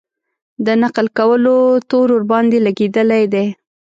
د نقل کولو تور ورباندې لګېدلی دی.